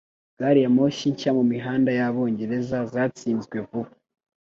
gari ya moshi nshya mumihanda yabongereza zatsinzwe vuba